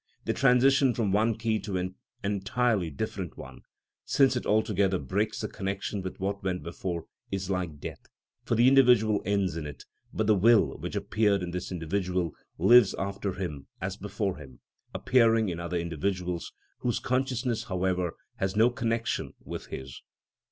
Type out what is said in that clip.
The transition from one key to an entirely different one, since it altogether breaks the connection with what went before, is like death, for the individual ends in it; but the will which appeared in this individual lives after him as before him, appearing in other individuals, whose consciousness, however, has no connection with his.